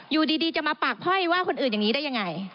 อยู่ดีจะมาปากพ้อยว่าคนอื่นอย่างนี้ได้ยังไง